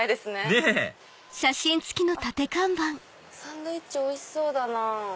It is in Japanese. ねぇサンドイッチおいしそうだな。